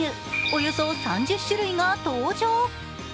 およそ３０種類が登場。